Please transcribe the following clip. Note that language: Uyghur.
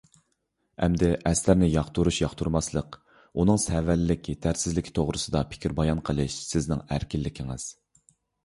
ئەمدى ئەسەرنى ياقتۇرۇش – ياقتۇرماسلىق، ئۇنىڭ سەۋەنلىك، يېتەرسىزلىكى توغرىسىدا پىكىر بايان قىلىش سىزنىڭ ئەركىنلىكىڭىز.